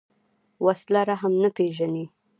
وسله رحم نه پېژني